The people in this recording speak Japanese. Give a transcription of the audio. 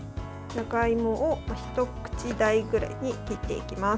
じゃがいもを一口大くらいに切っていきます。